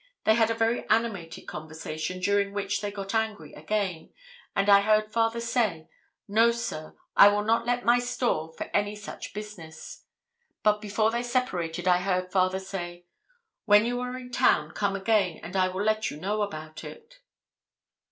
They had a very animated conversation, during which they got angry again, and I heard father say, 'No, sir, I will not let my store for any such business.' But before they separated I heard father say, 'When you are in town, come again, and I will let you know about it.